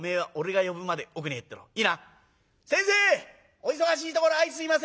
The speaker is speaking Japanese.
お忙しいところあいすいません」。